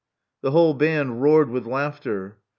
" The whole band roared with laughter.